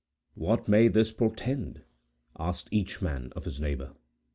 "What may this portend?" asked each man of his neighbor.